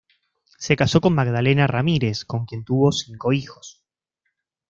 Se casó con Magdalena Ramírez, con quien tuvo cinco hijos.